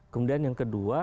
kemudian yang kedua